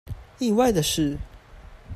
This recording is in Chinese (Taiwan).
意外的是